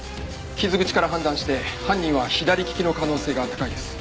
傷口から判断して犯人は左利きの可能性が高いです。